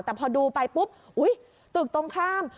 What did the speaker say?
แต่พอดูไปปุ๊บอุ๊ยตึกตรงข้าม